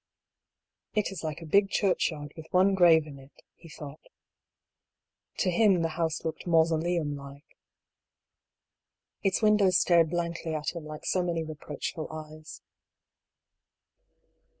" It is like a big churchyard with one grave in it," he thought. To him the house looked mausoleum like. Its windows stared blankly at him like so many reproach ful eyes.